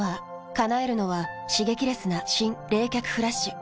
叶えるのは刺激レスな新・冷却フラッシュ。